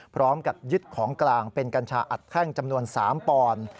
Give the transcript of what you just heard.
พร้อมกับยึดของกลางเป็นกัญชาอัดแท่งจำนวน๓ปอนด์